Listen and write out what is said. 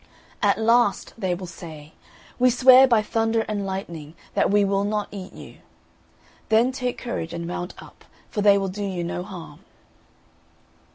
At last they will say, We swear by Thunder and Lightning that we will not eat you!' Then take courage and mount up, for they will do you no harm."